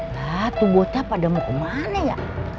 nah tuh botak pada mau kemana ya